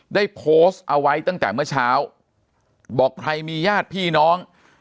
ได้โพสต์เอาไว้ตั้งแต่เมื่อเช้าบอกใครมีญาติพี่น้อง